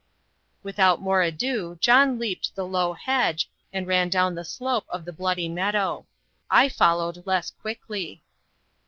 Without more ado John leaped the low hedge, and ran down the slope of the Bloody Meadow. I followed less quickly.